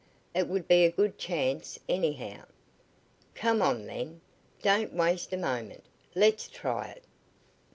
"It would be a good chance, anyhow." "Come on, then! Don't waste a moment. Let's try it."